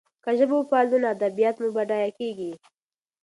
که ژبه وپالو نو ادبیات مو بډایه کېږي.